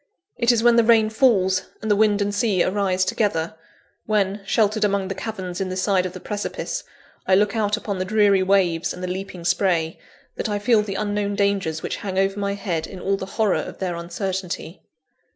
It is when the rain falls, and wind and sea arise together when, sheltered among the caverns in the side of the precipice, I look out upon the dreary waves and the leaping spray that I feel the unknown dangers which hang over my head in all the horror of their uncertainty.